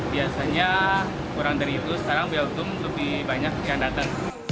biasanya kurang dari itu sekarang beltum lebih banyak yang datang